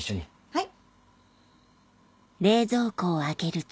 はい。